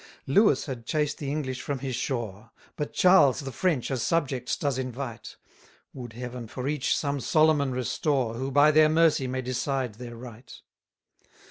43 Lewis had chased the English from his shore; But Charles the French as subjects does invite: Would Heaven for each some Solomon restore, Who, by their mercy, may decide their right!